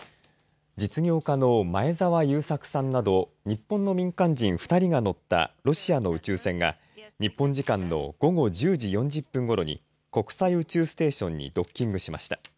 実業家の前澤友作さんなど日本の民間人２人が乗ったロシアの宇宙船が日本時間の午後１０時４０分ごろに国際宇宙ステーションにドッキングしました。